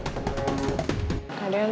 tidak ada masalah